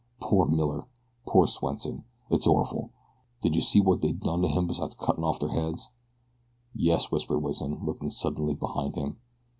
Ugh! Poor Miller. Poor Swenson. It's orful. Did you see wot they done to 'em beside cuttin' off their heads?" "Yes," whispered Wison, looking suddenly behind him.